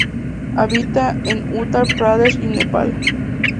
Habita en Uttar Pradesh y Nepal.